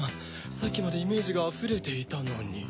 さっきまでイメージがあふれていたのに。